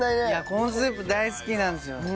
コーンスープ大好きなんですよ。